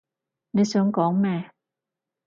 你想講咩？